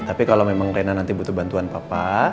tapi kalau memang rena nanti butuh bantuan papa